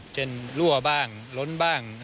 จนรั่วบ้างล้นบ้าง